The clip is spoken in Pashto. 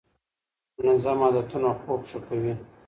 منظم عادتونه خوب ښه کوي.